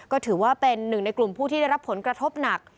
ก็ถือว่าเป็นหนึ่งในกลุ่มผู้ที่ได้รับผลกระทบหนัก